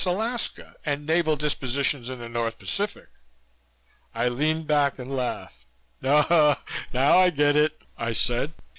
Alaska and naval dispositions in the North Pacific." I leaned back and laughed. "Now I get it," I said.